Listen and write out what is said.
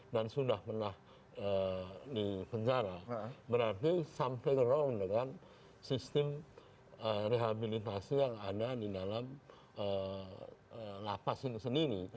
dan sudah pernah dipenjara berarti something wrong dengan sistem rehabilitasi yang ada di dalam lapas ini sendiri